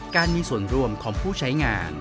การมีส่วนร่วมของผู้ใช้งาน